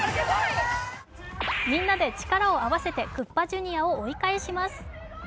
みんなで力を合わせてクッパＪｒ．を追い返します。